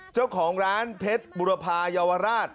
เจ้าของร้านเพชรบุรพายาวราช